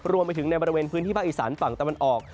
รวมไปถึงในบริเวณพื้นที่ภาคอีสานฝั่งตะวันออก